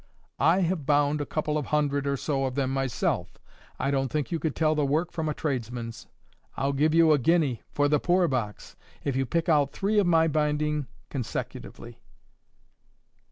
I have bound a couple of hundred or so of them myself. I don't think you could tell the work from a tradesman's. I'll give you a guinea for the poor box if you pick out three of my binding consecutively."